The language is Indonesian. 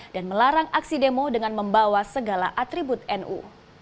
dan melarang aksi demo dengan membawa segala atribut nu